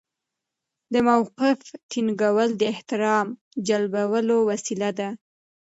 د موقف ټینګول د احترام جلبولو وسیله ده.